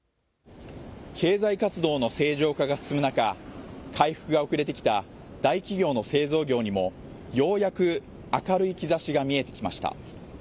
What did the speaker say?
経済活動の正常化が進む中、回復が遅れてきた大企業の製造業にもようやく明るい兆しが見えてきました。